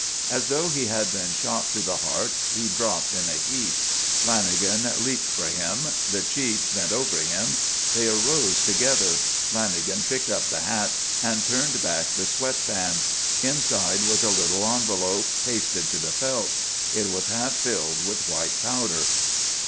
As though he had been shot through the heart he dropped in a heap. Lanagan leaped for him. The Chief bent over him. They arose together. Lanagan picked up the hat and turned back the sweat band. Inside was a little envelope, pasted to the felt. It was half filled with white powder.